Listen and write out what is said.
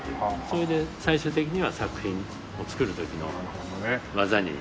それで最終的には作品を作る時の技に。